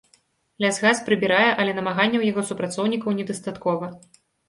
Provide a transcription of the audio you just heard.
Лясгас прыбірае, але намаганняў яго супрацоўнікаў недастаткова.